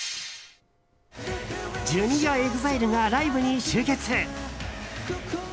Ｊｒ．ＥＸＩＬＥがライブに集結。